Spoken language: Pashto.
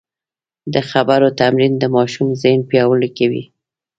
د خبرو تمرین د ماشوم ذهن پیاوړی کوي.